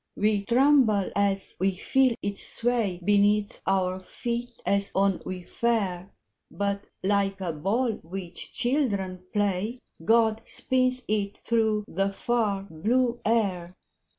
We tremble as we feel it sway Beneath our feet as on we fare ; But, like a ball which children play, God spins it through the far blue air.